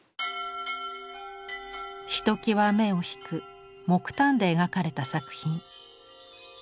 ひときわ目を引く木炭で描かれた作品。